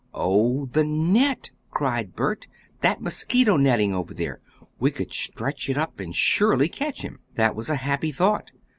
"Oh, the net!" cried Bert, "that mosquito netting over there. We could stretch it up and surely catch him." This was a happy thought.